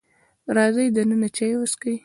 راځئ دننه چای وسکئ.